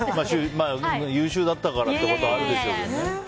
優秀だったからってこともあるんでしょうけどね。